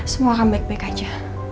semua akan baik baik aja